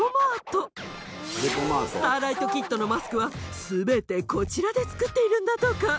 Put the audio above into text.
スターライト・キッドのマスクは全てこちらで作っているんだとか。